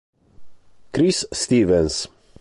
Chris Stevens